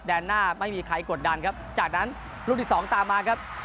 แดนหน้าไม่มีใครกดดันครับจากนั้นรุ่นที่๒ตามมาครับ